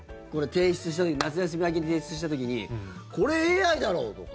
夏休み明けに提出した時にこれ、ＡＩだろとか。